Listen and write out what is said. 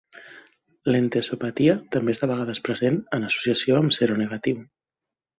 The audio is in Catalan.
L'entesopatia també és de vegades present en associació amb seronegatiu.